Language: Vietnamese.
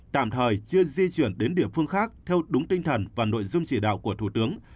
tạm thời chưa di chuyển đến địa phương khác theo đúng tinh thần và nội dung chỉ đạo của thủ tướng